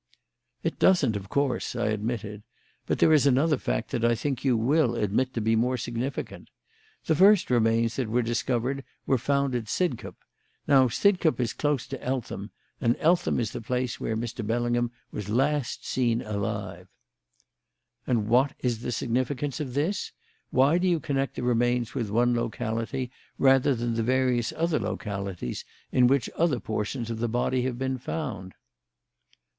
"It doesn't, of course," I admitted. "But there is another fact that I think you will admit to be more significant. The first remains that were discovered were found at Sidcup. Now, Sidcup is close to Eltham; and Eltham is the place where Mr. Bellingham was last seen alive." "And what is the significance of this? Why do you connect the remains with one locality rather than the various other localities in which other portions of the body have been found?"